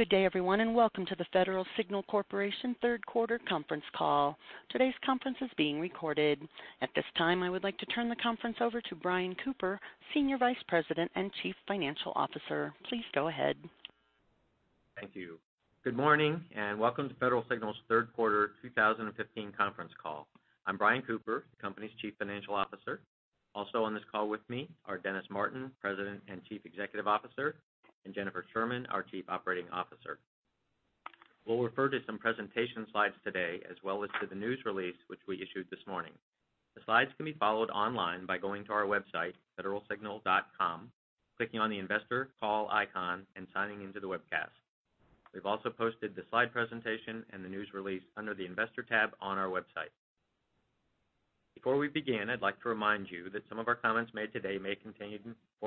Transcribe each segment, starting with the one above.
Good day everyone, welcome to the Federal Signal Corporation third quarter conference call. Today's conference is being recorded. At this time, I would like to turn the conference over to Brian Cooper, Senior Vice President and Chief Financial Officer. Please go ahead. Thank you. Good morning, welcome to Federal Signal's third quarter 2015 conference call. I'm Brian Cooper, the company's Chief Financial Officer. Also on this call with me are Dennis Martin, President and Chief Executive Officer, and Jennifer Sherman, our Chief Operating Officer. We'll refer to some presentation slides today, as well as to the news release, which we issued this morning. The slides can be followed online by going to our website, federalsignal.com, clicking on the investor call icon, and signing in to the webcast. We've also posted the slide presentation and the news release under the investor tab on our website. Before we begin, I'd like to remind you that some of our comments made today may contain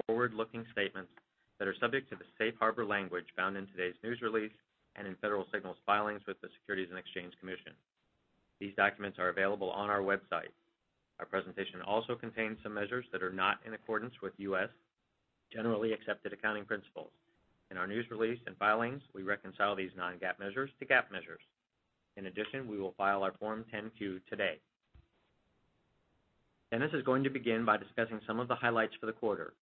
forward-looking statements that are subject to the safe harbor language found in today's news release and in Federal Signal's filings with the Securities and Exchange Commission. These documents are available on our website. Our presentation also contains some measures that are not in accordance with U.S. generally accepted accounting principles. In our news release and filings, we reconcile these non-GAAP measures to GAAP measures. In addition, we will file our Form 10-Q today. Dennis is going to begin by discussing some of the highlights for the quarter.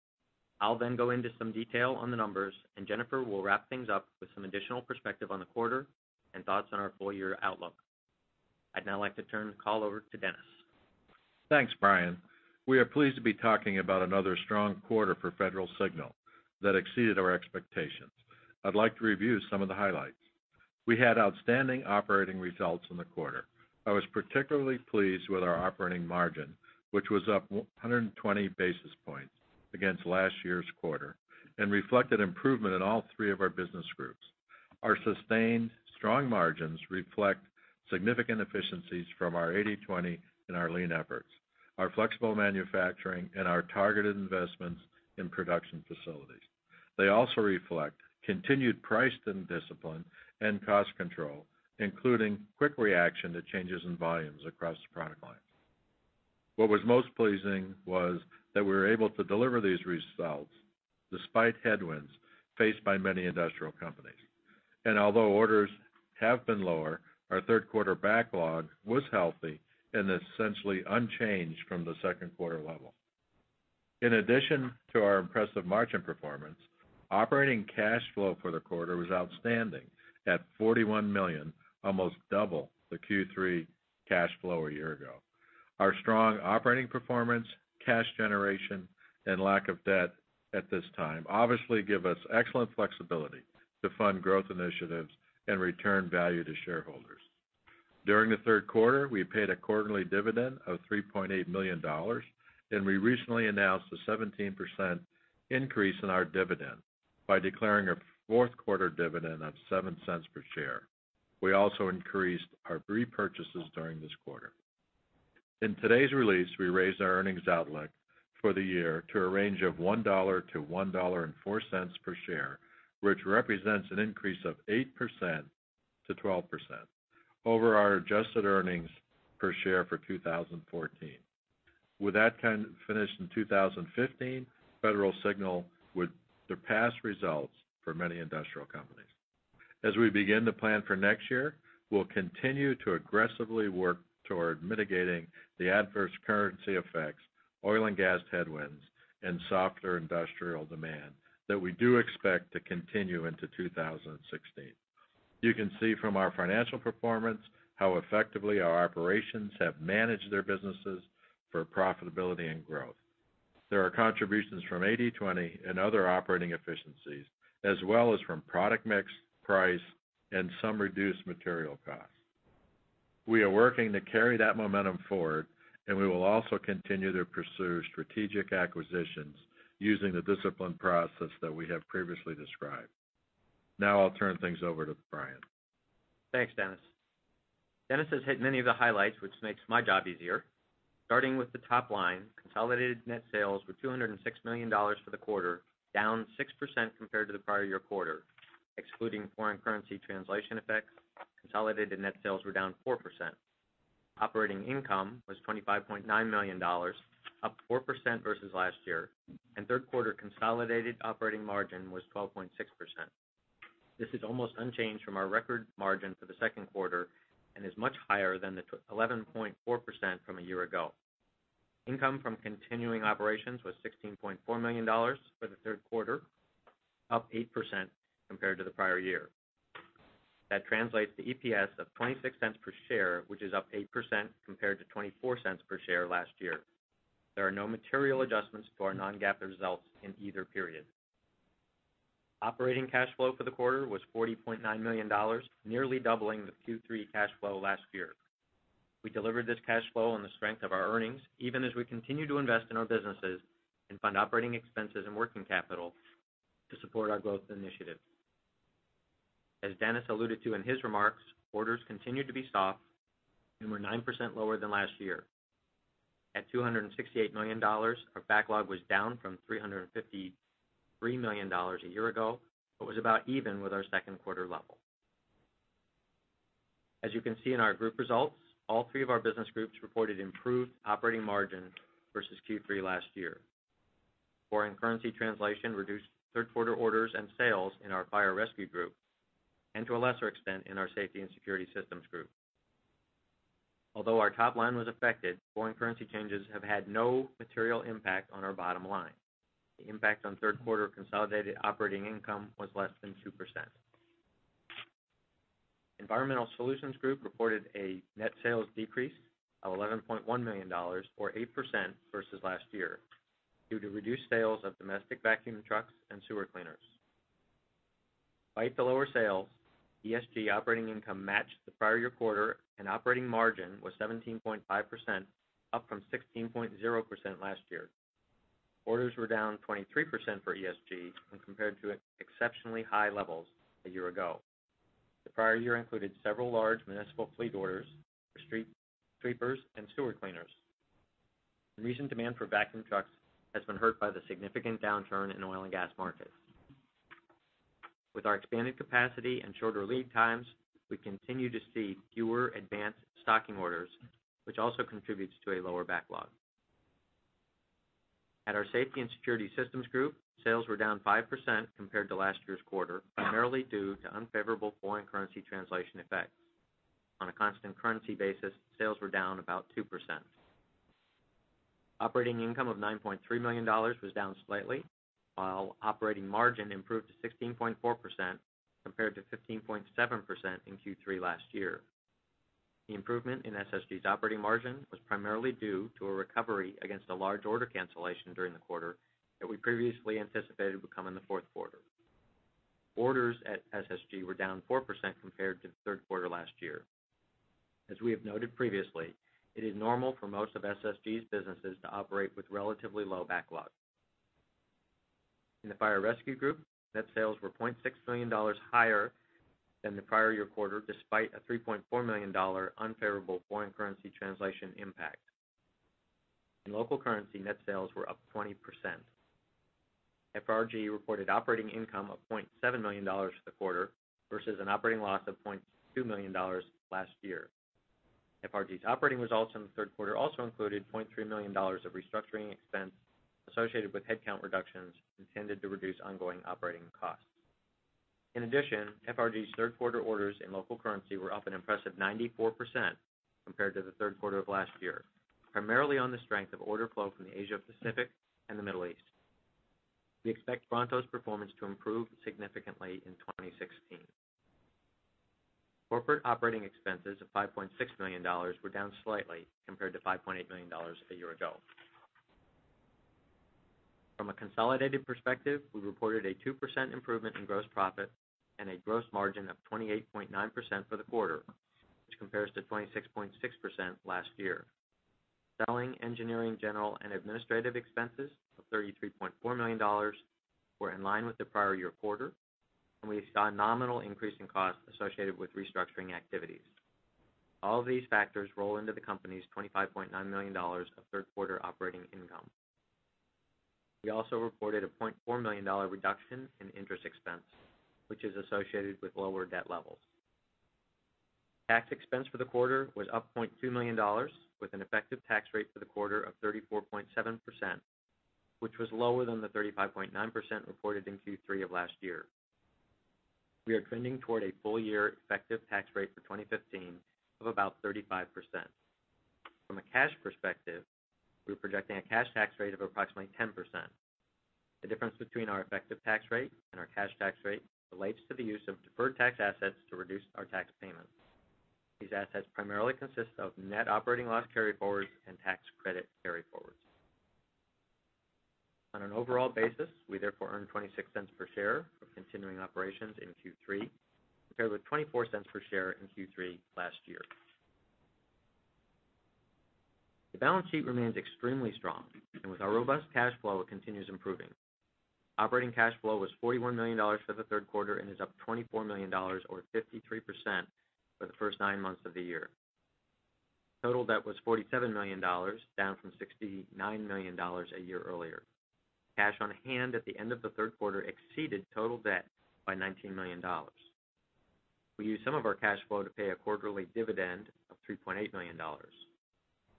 I'll then go into some detail on the numbers, Jennifer will wrap things up with some additional perspective on the quarter and thoughts on our full-year outlook. I'd now like to turn the call over to Dennis. Thanks, Brian. We are pleased to be talking about another strong quarter for Federal Signal that exceeded our expectations. I'd like to review some of the highlights. We had outstanding operating results in the quarter. I was particularly pleased with our operating margin, which was up 120 basis points against last year's quarter and reflected improvement in all three of our business groups. Our sustained strong margins reflect significant efficiencies from our 80/20 and our Lean efforts, our flexible manufacturing, and our targeted investments in production facilities. They also reflect continued pricing discipline and cost control, including quick reaction to changes in volumes across the product lines. What was most pleasing was that we were able to deliver these results despite headwinds faced by many industrial companies. Although orders have been lower, our third quarter backlog was healthy and essentially unchanged from the second quarter level. In addition to our impressive margin performance, operating cash flow for the quarter was outstanding at $41 million, almost double the Q3 cash flow a year ago. Our strong operating performance, cash generation, and lack of debt at this time obviously give us excellent flexibility to fund growth initiatives and return value to shareholders. During the third quarter, we paid a quarterly dividend of $3.8 million, and we recently announced a 17% increase in our dividend by declaring a fourth quarter dividend of $0.07 per share. We also increased our repurchases during this quarter. In today's release, we raised our earnings outlook for the year to a range of $1 to $1.04 per share, which represents an increase of 8% to 12% over our adjusted earnings per share for 2014. With that finish in 2015, Federal Signal would surpass results for many industrial companies. As we begin to plan for next year, we'll continue to aggressively work toward mitigating the adverse currency effects, oil and gas headwinds, and softer industrial demand that we do expect to continue into 2016. You can see from our financial performance how effectively our operations have managed their businesses for profitability and growth. There are contributions from 80/20 and other operating efficiencies, as well as from product mix, price, and some reduced material costs. We are working to carry that momentum forward, and we will also continue to pursue strategic acquisitions using the disciplined process that we have previously described. Now I'll turn things over to Brian. Thanks, Dennis. Dennis has hit many of the highlights, which makes my job easier. Starting with the top line, consolidated net sales were $206 million for the quarter, down 6% compared to the prior year quarter. Excluding foreign currency translation effects, consolidated net sales were down 4%. Operating income was $25.9 million, up 4% versus last year. Third quarter consolidated operating margin was 12.6%. This is almost unchanged from our record margin for the second quarter and is much higher than the 11.4% from a year ago. Income from continuing operations was $16.4 million for the third quarter, up 8% compared to the prior year. That translates to EPS of $0.26 per share, which is up 8% compared to $0.24 per share last year. There are no material adjustments to our non-GAAP results in either period. Operating cash flow for the quarter was $40.9 million, nearly doubling the Q3 cash flow last year. We delivered this cash flow on the strength of our earnings, even as we continue to invest in our businesses and fund operating expenses and working capital to support our growth initiatives. As Dennis alluded to in his remarks, orders continued to be soft and were 9% lower than last year. At $268 million, our backlog was down from $353 million a year ago, but was about even with our second quarter level. As you can see in our group results, all three of our business groups reported improved operating margin versus Q3 last year. Foreign currency translation reduced third quarter orders and sales in our Fire Rescue Group. To a lesser extent, in our Safety and Security Systems Group. Although our top line was affected, foreign currency changes have had no material impact on our bottom line. The impact on third quarter consolidated operating income was less than 2%. Environmental Solutions Group reported a net sales decrease of $11.1 million, or 8% versus last year, due to reduced sales of domestic vacuum trucks and sewer cleaners. Despite the lower sales, ESG operating income matched the prior year quarter, and operating margin was 17.5%, up from 16.0% last year. Orders were down 23% for ESG when compared to exceptionally high levels a year ago. The prior year included several large municipal fleet orders for street sweepers and sewer cleaners. Recent demand for vacuum trucks has been hurt by the significant downturn in oil and gas markets. With our expanded capacity and shorter lead times, we continue to see fewer advanced stocking orders, which also contributes to a lower backlog. At our Safety and Security Systems Group, sales were down 5% compared to last year's quarter, primarily due to unfavorable foreign currency translation effects. On a constant currency basis, sales were down about 2%. Operating income of $9.3 million was down slightly, while operating margin improved to 16.4% compared to 15.7% in Q3 last year. The improvement in SSG's operating margin was primarily due to a recovery against a large order cancellation during the quarter that we previously anticipated would come in the fourth quarter. Orders at SSG were down 4% compared to the third quarter last year. As we have noted previously, it is normal for most of SSG's businesses to operate with relatively low backlog. In the Fire Rescue Group, net sales were $0.6 million higher than the prior year quarter, despite a $3.4 million unfavorable foreign currency translation impact. In local currency, net sales were up 20%. FRG reported operating income of $0.7 million for the quarter versus an operating loss of $0.2 million last year. FRG's operating results in the third quarter also included $0.3 million of restructuring expense associated with headcount reductions intended to reduce ongoing operating costs. In addition, FRG's third quarter orders in local currency were up an impressive 94% compared to the third quarter of last year, primarily on the strength of order flow from the Asia-Pacific and the Middle East. We expect Bronto's performance to improve significantly in 2016. Corporate operating expenses of $5.6 million were down slightly compared to $5.8 million a year ago. From a consolidated perspective, we reported a 2% improvement in gross profit and a gross margin of 28.9% for the quarter, which compares to 26.6% last year. Selling, engineering, general and administrative expenses of $33.4 million were in line with the prior year quarter. We saw a nominal increase in costs associated with restructuring activities. All these factors roll into the company's $25.9 million of third quarter operating income. We also reported a $0.4 million reduction in interest expense, which is associated with lower debt levels. Tax expense for the quarter was up $0.2 million with an effective tax rate for the quarter of 34.7%, which was lower than the 35.9% reported in Q3 of last year. We are trending toward a full year effective tax rate for 2015 of about 35%. From a cash perspective, we're projecting a cash tax rate of approximately 10%. The difference between our effective tax rate and our cash tax rate relates to the use of deferred tax assets to reduce our tax payments. These assets primarily consist of net operating loss carryforwards and tax credit carryforwards. On an overall basis, we therefore earned $0.26 per share for continuing operations in Q3, compared with $0.24 per share in Q3 last year. The balance sheet remains extremely strong, and with our robust cash flow, it continues improving. Operating cash flow was $41 million for the third quarter and is up $24 million, or 53%, for the first nine months of the year. Total debt was $47 million, down from $69 million a year earlier. Cash on hand at the end of the third quarter exceeded total debt by $19 million. We used some of our cash flow to pay a quarterly dividend of $3.8 million.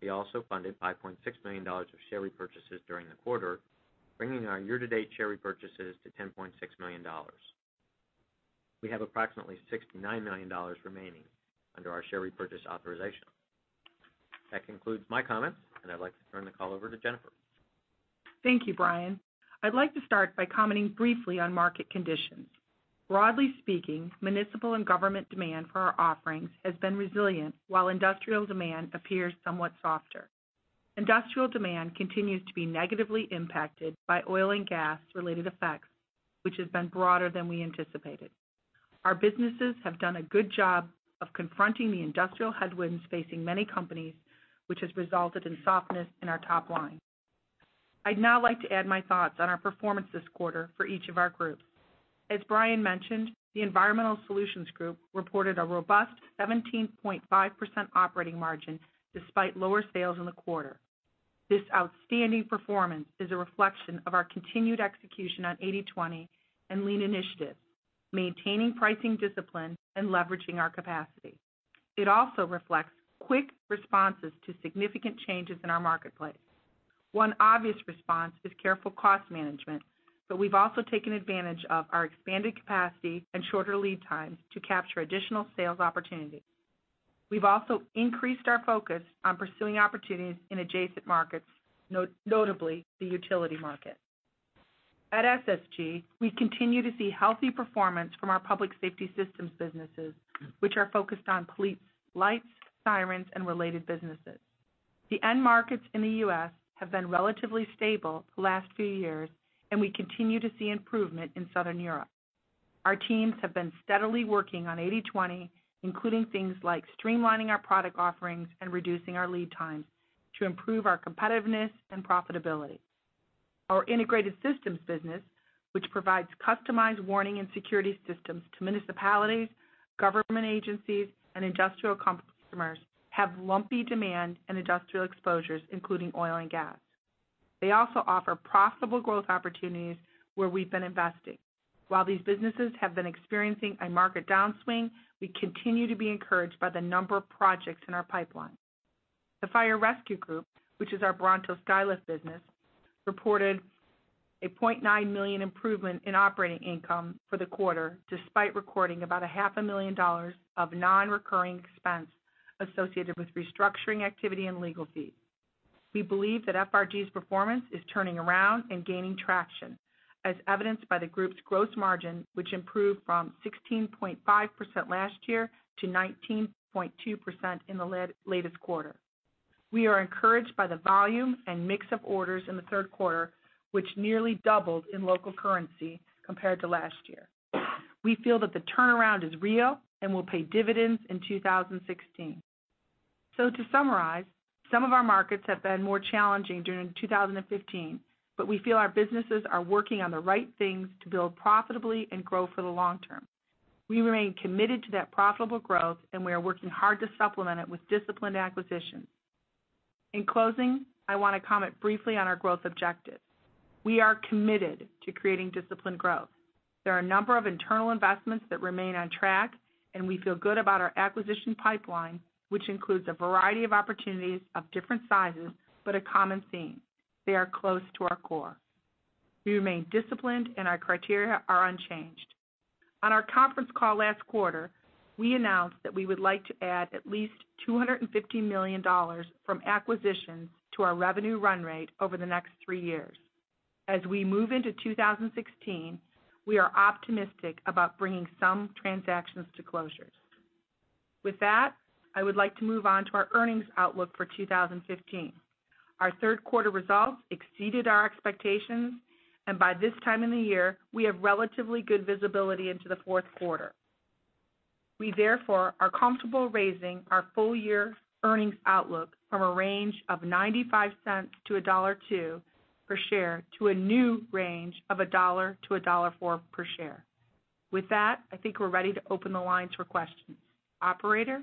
We also funded $5.6 million of share repurchases during the quarter, bringing our year-to-date share repurchases to $10.6 million. We have approximately $69 million remaining under our share repurchase authorization. That concludes my comments, and I'd like to turn the call over to Jennifer. Thank you, Brian. I'd like to start by commenting briefly on market conditions. Broadly speaking, municipal and government demand for our offerings has been resilient while industrial demand appears somewhat softer. Industrial demand continues to be negatively impacted by oil and gas-related effects, which has been broader than we anticipated. Our businesses have done a good job of confronting the industrial headwinds facing many companies, which has resulted in softness in our top line. I'd now like to add my thoughts on our performance this quarter for each of our groups. As Brian mentioned, the Environmental Solutions Group reported a robust 17.5% operating margin despite lower sales in the quarter. This outstanding performance is a reflection of our continued execution on 80/20 and Lean initiatives, maintaining pricing discipline, and leveraging our capacity. It also reflects quick responses to significant changes in our marketplace. One obvious response is careful cost management. We've also taken advantage of our expanded capacity and shorter lead times to capture additional sales opportunities. We've also increased our focus on pursuing opportunities in adjacent markets, notably the utility market. At SSG, we continue to see healthy performance from our public safety systems businesses, which are focused on police lights, sirens, and related businesses. The end markets in the U.S. have been relatively stable the last few years. We continue to see improvement in Southern Europe. Our teams have been steadily working on 80/20, including things like streamlining our product offerings and reducing our lead times to improve our competitiveness and profitability. Our integrated systems business, which provides customized warning and security systems to municipalities, government agencies, and industrial customers, have lumpy demand and industrial exposures, including oil and gas. They also offer profitable growth opportunities where we've been investing. While these businesses have been experiencing a market downswing, we continue to be encouraged by the number of projects in our pipeline. The Fire Rescue Group, which is our Bronto Skylift business, reported a $0.9 million improvement in operating income for the quarter, despite recording about a half a million dollars of non-recurring expense associated with restructuring activity and legal fees. We believe that FRG's performance is turning around and gaining traction, as evidenced by the group's gross margin, which improved from 16.5% last year to 19.2% in the latest quarter. We are encouraged by the volume and mix of orders in the third quarter, which nearly doubled in local currency compared to last year. We feel that the turnaround is real and will pay dividends in 2016. To summarize, some of our markets have been more challenging during 2015, but we feel our businesses are working on the right things to build profitably and grow for the long term. We remain committed to that profitable growth, and we are working hard to supplement it with disciplined acquisitions. In closing, I want to comment briefly on our growth objectives. We are committed to creating disciplined growth. There are a number of internal investments that remain on track, and we feel good about our acquisition pipeline, which includes a variety of opportunities of different sizes, but a common theme. They are close to our core. We remain disciplined, and our criteria are unchanged. On our conference call last quarter, we announced that we would like to add at least $250 million from acquisitions to our revenue run rate over the next three years. As we move into 2016, we are optimistic about bringing some transactions to closures. With that, I would like to move on to our earnings outlook for 2015. Our third quarter results exceeded our expectations, and by this time in the year, we have relatively good visibility into the fourth quarter. We therefore are comfortable raising our full year earnings outlook from a range of $0.95 to $1.02 per share to a new range of $1 to $1.04 per share. With that, I think we're ready to open the lines for questions. Operator?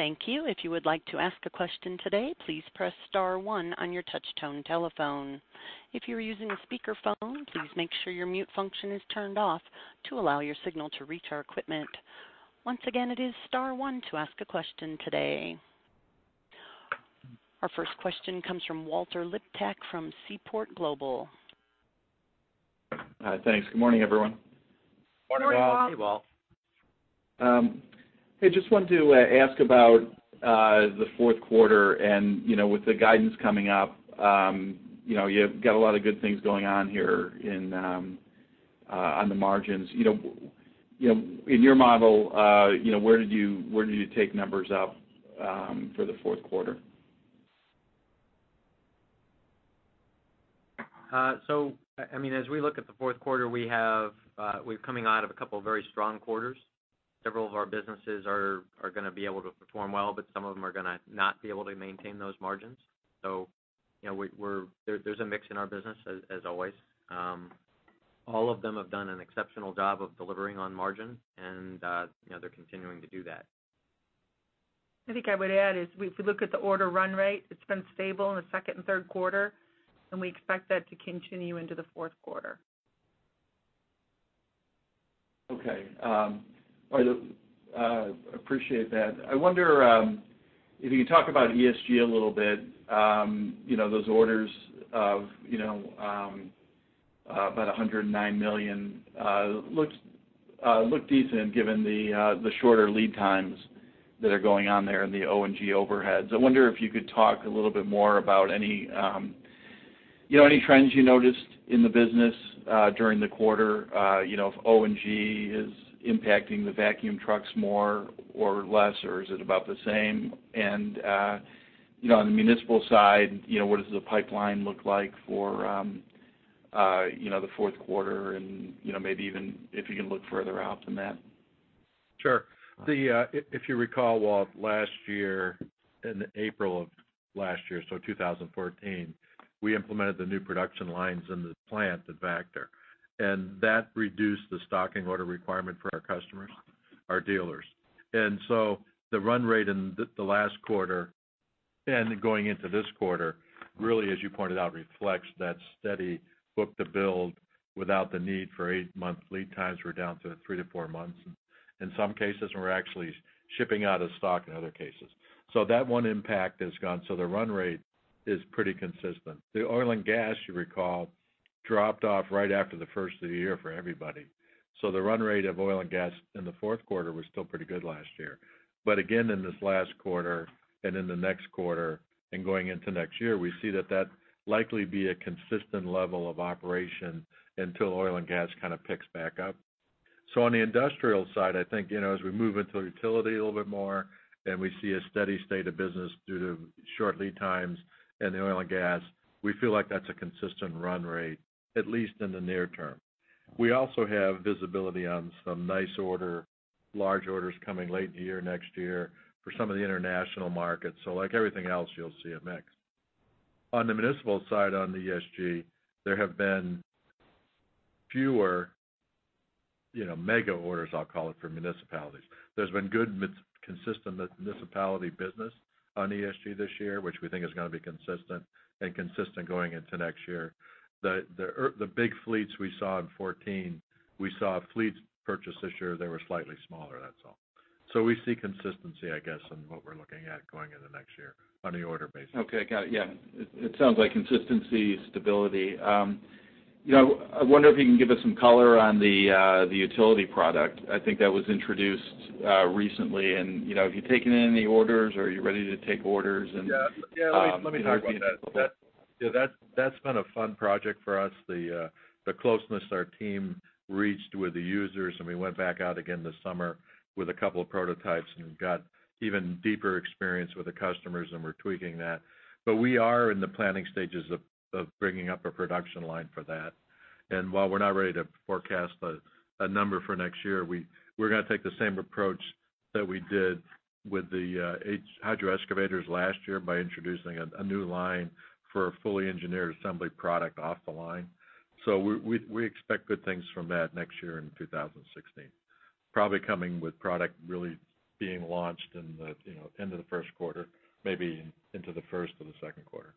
Thank you. If you would like to ask a question today, please press *1 on your touch-tone telephone. If you're using a speakerphone, please make sure your mute function is turned off to allow your signal to reach our equipment. Once again, it is *1 to ask a question today. Our first question comes from Walt Liptak from Seaport Global. Hi, thanks. Good morning, everyone. Morning, Walt. Hey, Walt. Hey, just wanted to ask about the fourth quarter and with the guidance coming up. You've got a lot of good things going on here on the margins. In your model, where did you take numbers up for the fourth quarter? As we look at the fourth quarter, we're coming out of a couple of very strong quarters. Several of our businesses are going to be able to perform well, but some of them are going to not be able to maintain those margins. There's a mix in our business as always. All of them have done an exceptional job of delivering on margin, and they're continuing to do that. I think I would add is, if we look at the order run rate, it's been stable in the second and third quarter, and we expect that to continue into the fourth quarter. Okay. Appreciate that. I wonder if you could talk about ESG a little bit. Those orders of about $109 million look decent given the shorter lead times that are going on there and the O&G headwinds. I wonder if you could talk a little bit more about any trends you noticed in the business during the quarter, if O&G is impacting the vacuum trucks more or less, or is it about the same? On the municipal side, what does the pipeline look like for the fourth quarter, and maybe even if you can look further out than that? Sure. If you recall, Walt, last year, in April of last year, 2014, we implemented the new production lines in the plant at Vactor, that reduced the stocking order requirement for our customers Our dealers. The run rate in the last quarter and going into this quarter, really, as you pointed out, reflects that steady book-to-bill without the need for 8-month lead times. We're down to three to four months. In some cases, we're actually shipping out of stock in other cases. That one impact is gone, so the run rate is pretty consistent. The oil and gas, you recall, dropped off right after the first of the year for everybody. The run rate of oil and gas in the fourth quarter was still pretty good last year. Again, in this last quarter and in the next quarter and going into next year, we see that likely be a consistent level of operation until oil and gas picks back up. On the industrial side, I think, as we move into utility a little bit more and we see a steady state of business due to short lead times in the oil and gas, we feel like that's a consistent run rate, at least in the near term. We also have visibility on some nice order, large orders coming late in the year, next year, for some of the international markets. Like everything else, you'll see a mix. On the municipal side, on the ESG, there have been fewer mega orders, I'll call it, for municipalities. There's been good, consistent municipality business on ESG this year, which we think is going to be consistent and consistent going into next year. The big fleets we saw in 2014, we saw fleets purchase this year, they were slightly smaller, that's all. We see consistency, I guess, in what we're looking at going into next year on the order basis. Okay. Got it. Yeah. It sounds like consistency, stability. I wonder if you can give us some color on the utility product. I think that was introduced recently, and have you taken any orders? Are you ready to take orders? Let me talk about that. That's been a fun project for us, the closeness our team reached with the users, and we went back out again this summer with a couple of prototypes and got even deeper experience with the customers, and we're tweaking that. We are in the planning stages of bringing up a production line for that. While we're not ready to forecast a number for next year, we're going to take the same approach that we did with the hydro excavators last year by introducing a new line for a fully engineered assembly product off the line. We expect good things from that next year in 2016. Probably coming with product really being launched in the end of the first quarter, maybe into the first of the second quarter.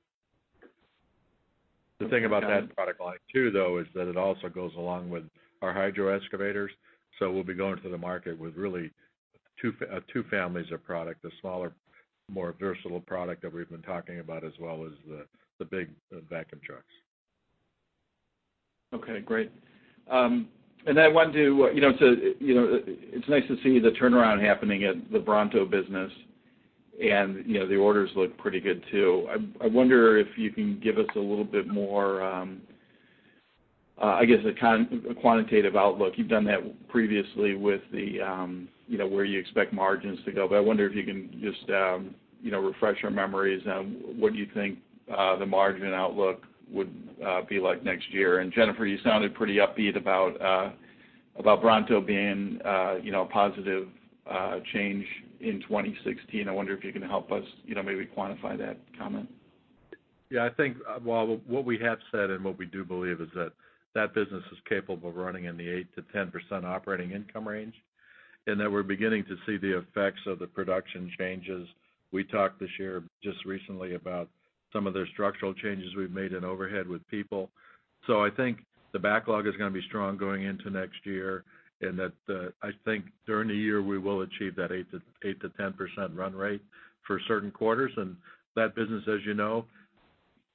The thing about that product line, too, though, is that it also goes along with our hydro excavators. We'll be going to the market with really two families of product, the smaller, more versatile product that we've been talking about, as well as the big vacuum trucks. Okay, great. I wanted to It's nice to see the turnaround happening at the Bronto business, and the orders look pretty good, too. I wonder if you can give us a little bit more, I guess, a quantitative outlook. You've done that previously with where you expect margins to go. I wonder if you can just refresh our memories on what you think the margin outlook would be like next year. Jennifer, you sounded pretty upbeat about Bronto being a positive change in 2016. I wonder if you can help us maybe quantify that comment. I think, well, what we have said and what we do believe is that that business is capable of running in the 8%-10% operating income range, and that we're beginning to see the effects of the production changes. We talked this year just recently about some of the structural changes we've made in overhead with people. I think the backlog is going to be strong going into next year, and that I think during the year, we will achieve that 8%-10% run rate for certain quarters. That business, as you know,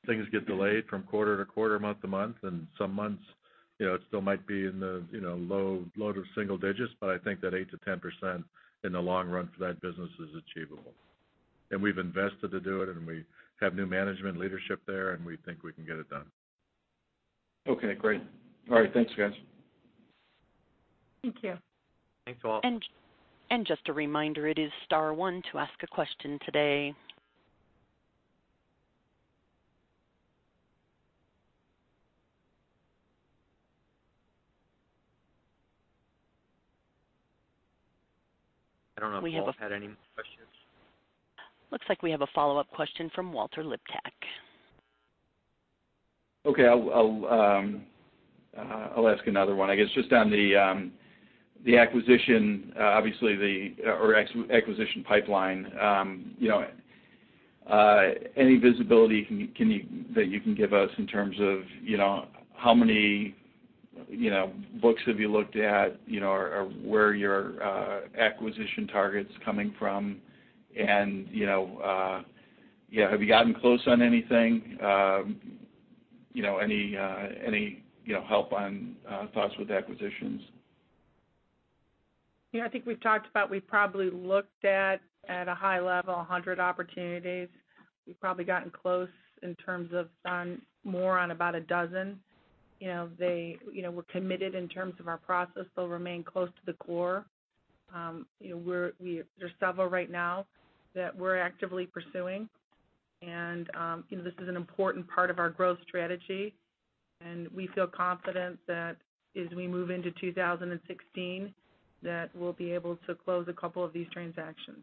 things get delayed from quarter to quarter, month to month, and some months, it still might be in the low to single digits, but I think that 8%-10% in the long run for that business is achievable. We've invested to do it, and we have new management leadership there, and we think we can get it done. Okay, great. All right, thanks, guys. Thank you. Thanks, Walt. Just a reminder, it is star one to ask a question today. I don't know if Walt had any more questions. Looks like we have a follow-up question from Walt Liptak. Okay. I'll ask another one, I guess, just on the acquisition pipeline. Any visibility that you can give us in terms of how many books have you looked at? Where your acquisition target's coming from, and have you gotten close on anything? Any help on thoughts with acquisitions? I think we've talked about, we've probably looked at a high level, 100 opportunities. We've probably gotten close in terms of on about a dozen. We're committed in terms of our process. They'll remain close to the core. There's several right now that we're actively pursuing. This is an important part of our growth strategy, and we feel confident that as we move into 2016, that we'll be able to close a couple of these transactions.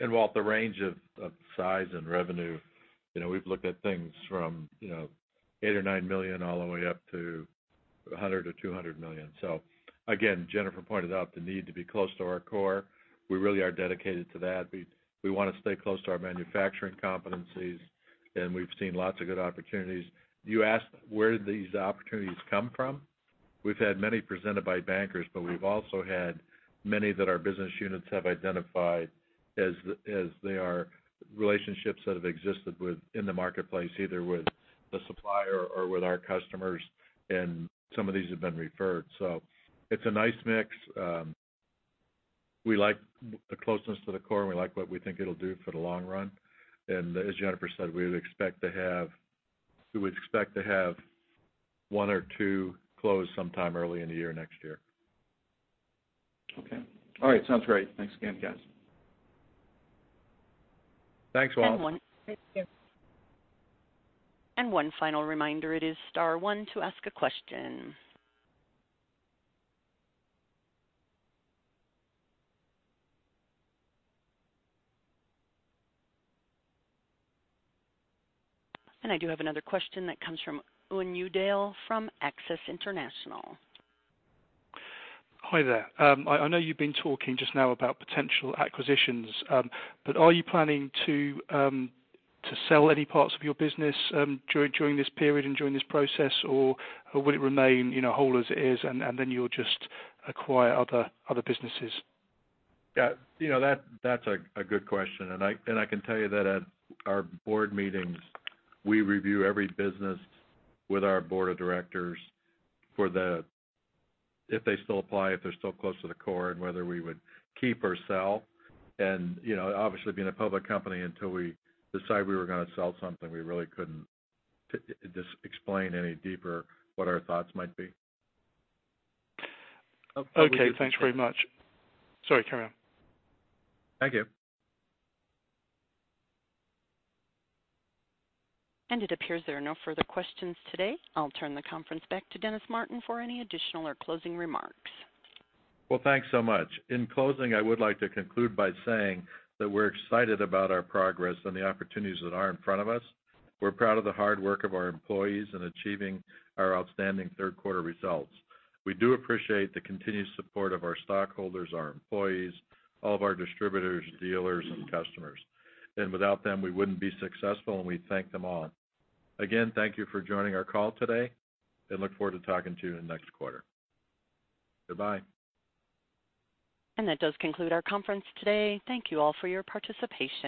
Walt, the range of size and revenue, we've looked at things from eight or nine million all the way up to $100 million-$200 million. Again, Jennifer pointed out the need to be close to our core. We really are dedicated to that. We want to stay close to our manufacturing competencies. We've seen lots of good opportunities. You asked where these opportunities come from. We've had many presented by bankers. We've also had many that our business units have identified as they are relationships that have existed within the marketplace, either with the supplier or with our customers. Some of these have been referred. It's a nice mix. We like the closeness to the core. We like what we think it'll do for the long run. As Jennifer said, we would expect to have one or two closed sometime early in the year next year. Okay. All right, sounds great. Thanks again, guys. Thanks, Walt. And one- Thank you. One final reminder, it is star one to ask a question. I do have another question that comes from Owen Udall from Axis International. Hi there. I know you've been talking just now about potential acquisitions. Are you planning to sell any parts of your business during this period and during this process, or will it remain whole as it is, and then you'll just acquire other businesses? Yeah, that's a good question. I can tell you that at our board meetings, we review every business with our board of directors for if they still apply, if they're still close to the core, and whether we would keep or sell. Obviously, being a public company, until we decide we were going to sell something, we really couldn't explain any deeper what our thoughts might be. Okay, thanks very much. Sorry, carry on. Thank you. It appears there are no further questions today. I'll turn the conference back to Dennis Martin for any additional or closing remarks. Well, thanks so much. In closing, I would like to conclude by saying that we're excited about our progress and the opportunities that are in front of us. We're proud of the hard work of our employees in achieving our outstanding third quarter results. We do appreciate the continued support of our stockholders, our employees, all of our distributors, dealers, and customers. Without them, we wouldn't be successful, and we thank them all. Again, thank you for joining our call today, and look forward to talking to you in the next quarter. Goodbye. That does conclude our conference today. Thank you all for your participation